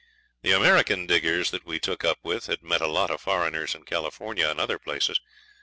The American diggers that we took up with had met a lot of foreigners in California and other places.